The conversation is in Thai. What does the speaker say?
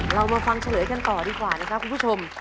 เรามาฟังเฉลยกันต่อดีกว่านะครับคุณผู้ชม